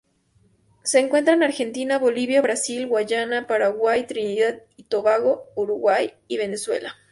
Se encuentra en Argentina, Bolivia, Brasil, Guyana, Paraguay, Trinidad y Tobago, Uruguay, y Venezuela.